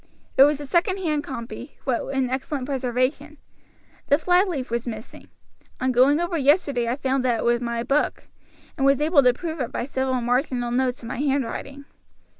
It was a second hand copy, but in excellent preservation. The flyleaf was missing. On going over yesterday I found that it was my book, and was able to prove it by several marginal notes in my handwriting.